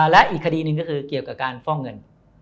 และอีกคดีหนึ่งก็คือเกี่ยวกับการฟอกเงิน